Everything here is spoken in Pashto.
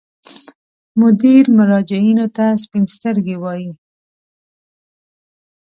مدیر مراجعینو ته سپین سترګي وایي.